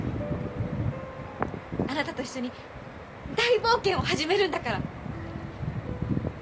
あなたと一緒に大冒険を始めるんだから！